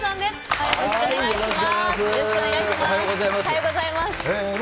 よろしくお願いします。